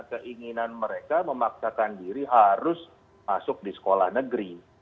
keinginan mereka memaksakan diri harus masuk di sekolah negeri